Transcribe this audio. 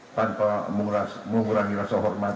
tanpa mengurangi rasa hormat